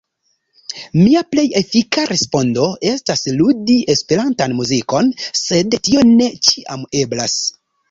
Mia plej efika respondo estas ludi Esperantan muzikon, sed tio ne ĉiam eblas.